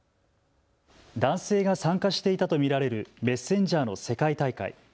男性が参加していたと見られるメッセンジャーの世界大会。